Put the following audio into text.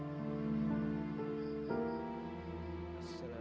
ibu takut mau ke gadis kamu